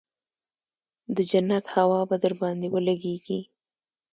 د جنت هوا به درباندې ولګېګي.